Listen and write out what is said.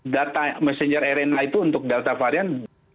data messenger rna itu untuk data varian